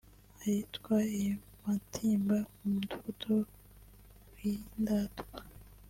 Ahitwa i Matimba mu Mudugudu w’Indatwa